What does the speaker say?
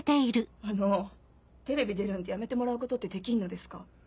あのテレビ出るんてやめてもらうことってできんのですか。